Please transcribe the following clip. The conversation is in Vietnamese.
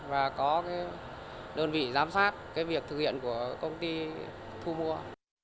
và có đơn vị giám sát việc thực hiện của công ty thu mua